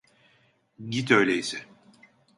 Git öyleyse.